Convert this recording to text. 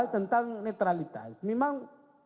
tentang netralitas memang